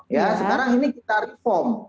ya sekarang ini kita reform